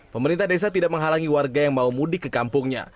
pemerintah desa tidak menghalangi warga yang mau mudik ke kampungnya